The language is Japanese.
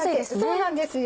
そうなんですよ。